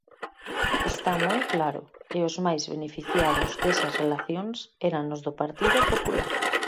Está moi claro, e os máis beneficiados desas relacións eran os do Partido Popular.